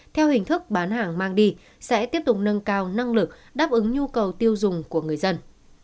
theo hình thức bán hàng mang đi sẽ tiếp tục nâng cao năng lực đáp ứng nhu cầu tiêu dùng của người dân